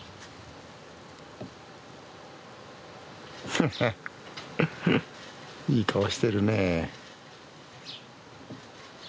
ハハハいい顔してるね。